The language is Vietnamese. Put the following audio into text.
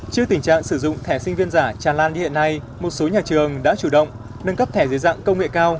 trước tình trạng sử dụng thẻ sinh viên giả tràn lan như hiện nay một số nhà trường đã chủ động nâng cấp thẻ dưới dạng công nghệ cao